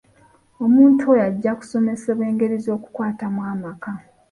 Omuntu oyo ajja kusomesebwa engeri z'okukwatamu amaka.